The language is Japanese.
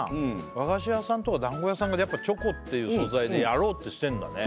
和菓子屋さんとか団子屋さんがチョコっていう素材でやろうってしてんだね